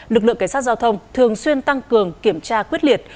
lực lượng cảnh sát giao thông thường xuyên tăng cường kiểm tra quyết liệt